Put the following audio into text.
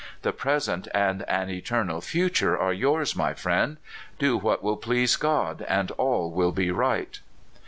The present and an eternal future are yours, my friend. Do what will please God, and all will be right."